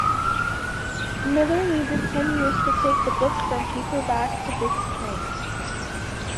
Miller needed ten years to take the book from paperback to big screen.